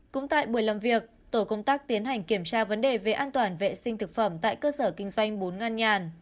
cũng tại buổi làm việc tổ công tác tiến hành kiểm tra vấn đề về an toàn vệ sinh thực phẩm tại cơ sở kinh doanh bốn nga nhàn